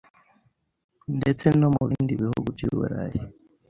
ndetse no mu bindi bihugu by’u Burayi